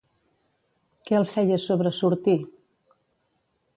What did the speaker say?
Què el feia sobresortir?